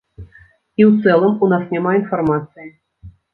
І ў цэлым, у нас няма інфармацыі.